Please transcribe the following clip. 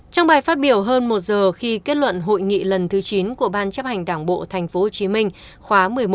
trong bài phát biểu hơn một giờ khi kết luận hội nghị lần thứ chín của ban chấp hành đảng bộ tp hcm khóa một mươi một